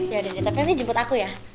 ya tapi nanti jemput aku ya